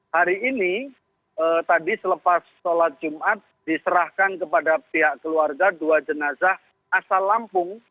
hari ini tadi selepas sholat jumat diserahkan kepada pihak keluarga dua jenazah asal lampung